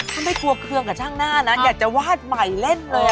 ถ้าไม่กลัวเครื่องกับช่างหน้านะอยากจะวาดใหม่เล่นเลย